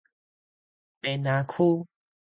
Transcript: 坪林區